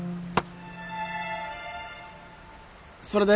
それで？